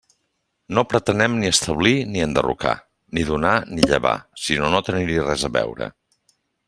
No pretenem ni establir ni enderrocar, ni donar ni llevar, sinó no tenir-hi res a veure.